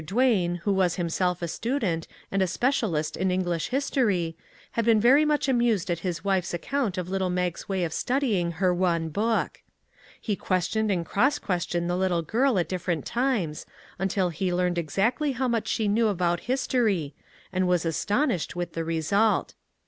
Duane, who was him self a student, and a specialist in English his tory, had been very much amused at his wife's account of little Mag's way of studying her one book. He questioned and cross questioned the little girl at different times, until he learned ex actly how much she knew about history, and was astonished with the result.